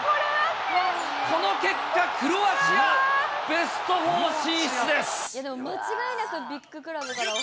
この結果、クロアチア、ベスト４進出です。